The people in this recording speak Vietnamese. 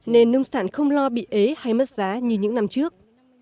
nên nông sản không lo bị ế hay mất giá như những năm trước